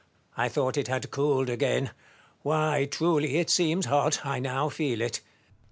Marius. I thought it had cooled again. Why, truly, it seems hot : I now feel it.